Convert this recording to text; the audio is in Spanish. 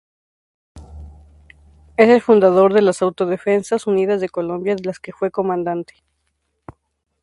Es el fundador de las Autodefensas Unidas de Colombia, de las que fue comandante.